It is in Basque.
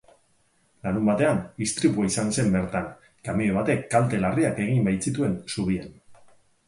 Larunbatean istripua izan zen bertan, kamioi batek kalte larriak egin baitzituen zubian.